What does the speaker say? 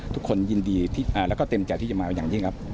ทุกคนยินดีและเต็มใจที่จะมาอย่างนี้ครับ